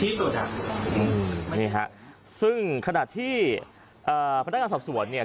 ที่สุดอ่ะอืมนี่ฮะซึ่งขณะที่อ่าพนักงานสอบสวนเนี่ย